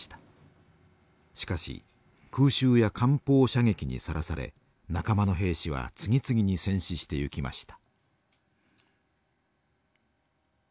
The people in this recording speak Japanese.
しかし空襲や艦砲射撃にさらされ仲間の兵士は次々に戦死していきました。